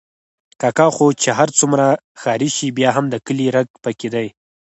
کاکا خو چې هر څومره ښاري شي، بیا هم د کلي رګ پکې دی.